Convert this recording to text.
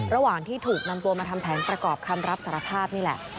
ระหว่างที่ถูกนำตัวมาทำแผนประกอบคำรับสารภาพนี่แหละ